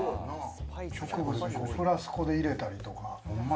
植物をフラスコに入れたりとか。